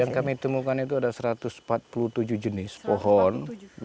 yang kami temukan itu ada satu ratus empat puluh tujuh jenis pohon